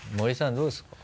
どうですか？